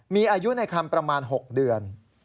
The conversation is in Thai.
มีอายุในคำประมาณ๖เดือน